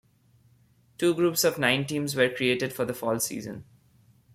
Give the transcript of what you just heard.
Two groups of nine teams were created for the fall season.